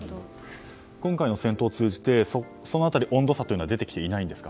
今回の戦闘を通じて、その辺り温度差は出てきていないんですか。